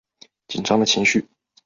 紧张的情绪